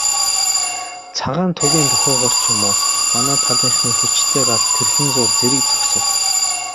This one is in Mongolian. Цагаан тугийн дохиогоор ч юм уу, манай талынхны хүчтэй гал тэрхэн зуур зэрэг зогсов.